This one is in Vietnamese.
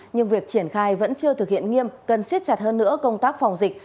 nhưng việc triển khai vẫn chưa thực hiện nghiêm cần siết chặt hơn nữa công tác phòng dịch